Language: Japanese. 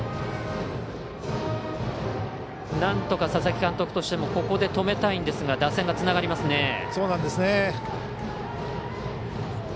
なんとか佐々木監督としてもここで止めたいんですが打線がつながりますね。